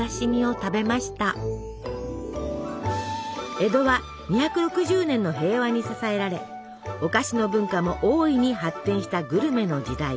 江戸は２６０年の平和に支えられお菓子の文化も大いに発展したグルメの時代。